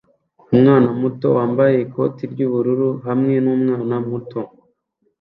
Umwana muto wambaye ikoti ry'ubururu hamwe n'umwana muto